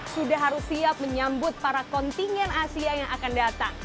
sudah harus siap menyambut para kontingen asia yang akan datang